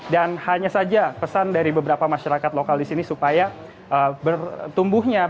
dan hanya saja pesan dari beberapa masyarakat lokal disini supaya bertumbuhnya